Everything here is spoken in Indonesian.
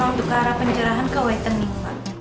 jadi memang untuk arah pencerahan ke whitening